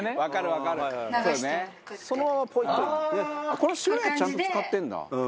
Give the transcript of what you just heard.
「この白いやつちゃんと使ってるんだ」